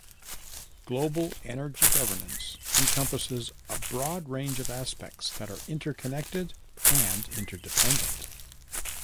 Global energy governance encompasses a broad range of aspects that are interconnected and interdependent.